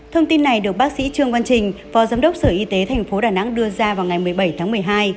thông tin này được bác sĩ trương văn trình phó giám đốc sở y tế tp đà nẵng đưa ra vào ngày một mươi bảy tháng một mươi hai